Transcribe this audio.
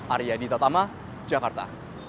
arya ditatama jakarta